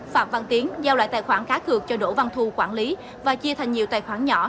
phạm văn tiến giao lại tài khoản cá cược cho đỗ văn thu quản lý và chia thành nhiều tài khoản nhỏ